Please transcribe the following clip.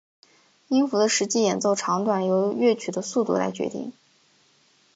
音符的实际演奏长短由乐曲的速度来决定。